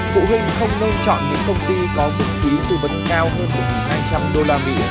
phụ huynh không nên chọn những công ty có mức phí tư vấn cao hơn một hai trăm linh usd